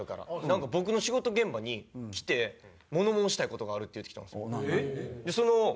なんか僕の仕事現場に来て「物申したい事がある」って言うてきたんですよ。